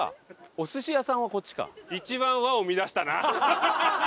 お寿司屋さんはこっちか。